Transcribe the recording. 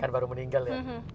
kan baru meninggal ya